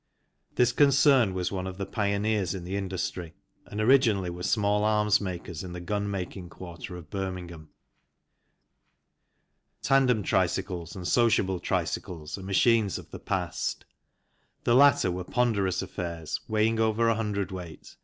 This concern was one of the pioneers in the industry and originally were small arms makers in the gun making quarter of Birmingham. Tandem tricycles and sociable tricycles are machines of the past. The latter were ponderous affairs weighing over 1 cwt.